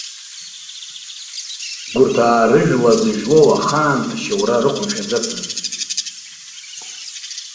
Гәырҭаа рыжәла зыжәлоу ахаан ашьоура рықәымшәацызт.